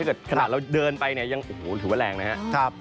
ถ้าเกิดขนาดเราเดินไปเนี่ยยังถือว่าแรงนะครับ